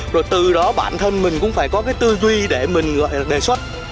rồi từ đó bản thân mình cũng phải có cái tư duy để mình gọi là đề xuất